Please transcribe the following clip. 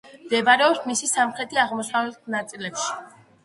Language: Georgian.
მდებარეობს მის სამხრეთ-აღმოსავლეთ ნაწილში.